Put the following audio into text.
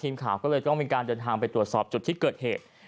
ทีมข่าวก็เลยต้องมีการเดินทางไปตรวจสอบจุดที่เกิดเหตุ